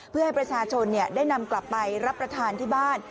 เพื่อให้ประชาชนได้นำกลับไปรับประทานที่บ้าน